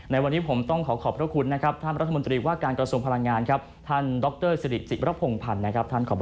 ในวันนี้ผมต้องขอขอบพระคุณท่านรัฐมนตรี